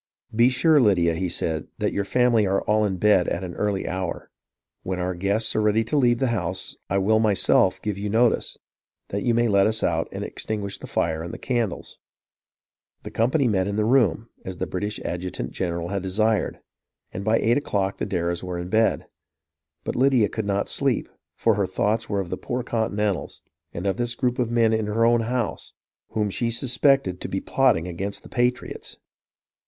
"Be sure, Lydia," he said, "that your family are all in bed at an early hour. When our guests are ready to leave the house I will myself give you notice, that you may let us out and extinguish the fire and candles." The company met in the room, as the British adjutant general had desired ; and by eight o'clock the Darrahs were in bed. But Lydia could not sleep, for her thoughts were of the poor Continentals, and of this group of men in her own house, whom she suspected to be plotting against the patriots.